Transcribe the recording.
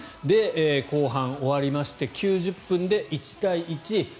後半終わりまして９０分で１対１。